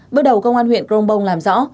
bước đầu công an huyện grongbong làm rõ